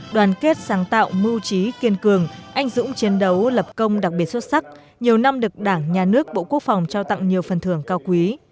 đoàn kết sáng tạo mưu trí kiên cường anh dũng chiến đấu lập công đặc biệt xuất sắc nhiều năm được đảng nhà nước bộ quốc phòng trao tặng nhiều phần thưởng cao quý